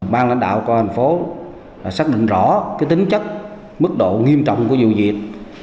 ban lãnh đạo của thành phố xác định rõ tính chất mức độ nghiêm trọng của vụ diệt